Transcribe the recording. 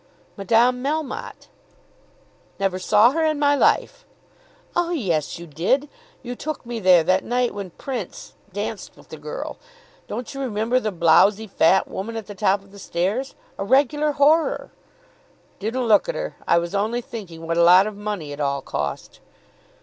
"Madame Melmotte?" "Never saw her in my life." "Oh yes, you did. You took me there that night when Prince danced with the girl. Don't you remember the blowsy fat woman at the top of the stairs; a regular horror?" "Didn't look at her. I was only thinking what a lot of money it all cost."